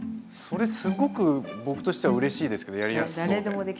それすごく僕としてはうれしいですけどやりやすそうで。